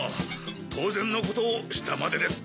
とうぜんのことをしたまでです